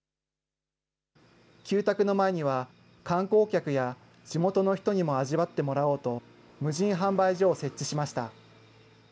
旧宅の前には、観光客や地元の人にも味わってもらおうと、無人販売所を設置しました。